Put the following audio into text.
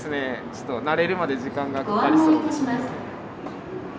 ちょっと慣れるまで時間がかかりそうですね。